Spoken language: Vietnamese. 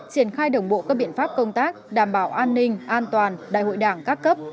triển khai đồng bộ các biện pháp công tác đảm bảo an ninh an toàn đại hội đảng các cấp